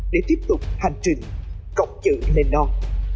để tiếp tục hành trình cộng chữ lên non